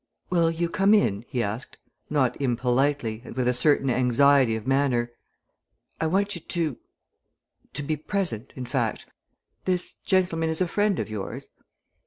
"Will you come in?" he asked, not impolitely and with a certain anxiety of manner. "I want you to to be present, in fact. This gentleman is a friend of yours?"